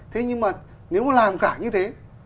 thế nhưng mà nếu mà làm cả như thế